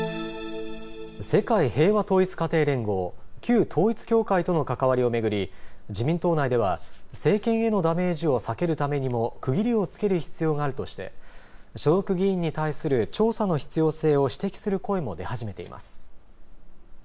世界平和統一家庭連合旧統一教会との関わりを巡り自民党内では政権へのダメージを避けるためにも区切りをつける必要があるとして所属議員に対する調査の必要性を指摘する声も出始めています。